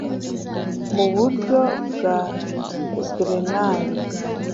Mu buryo bwa grenari